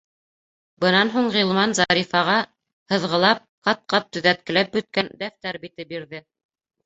Бынан һуң Ғилман Зарифаға, һыҙғылап, ҡат-ҡат төҙәткеләп бөткән дәфтәр бите бирҙе: